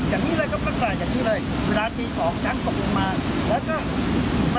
อย่างนี้เลยก็ปรักษาอย่างนี้เลยเวลาที่๒ช้างตกลงมา